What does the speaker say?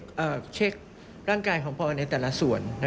มีประวัติศาสตร์เช็คร่างกายของปในแต่ละส่วน